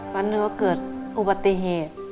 วันหนึ่งก็เกิดอุบัติเหตุ